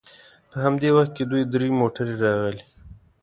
په همدې وخت کې دوې درې موټرې راغلې.